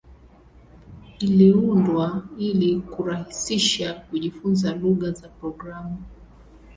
Iliundwa ili kurahisisha kujifunza lugha za programu.